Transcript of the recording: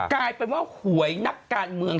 กลายเป็นว่าหวยนักการเมือง